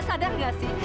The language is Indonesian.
sadar gak sih